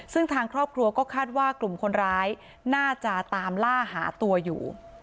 ซึ่งทางครอบครัวก็คาดว่ากลุ่มคนร้ายน่าจะตามล่าหาตัวอยู่